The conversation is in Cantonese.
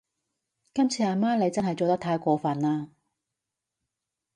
今次阿媽你真係做得太過份喇